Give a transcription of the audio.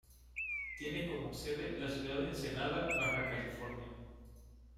Tiene como sede la ciudad de Ensenada Baja California.